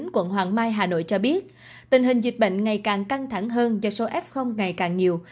quận hoàng mai hà nội cho biết tình hình dịch bệnh ngày càng căng thẳng hơn do số f ngày càng nhiều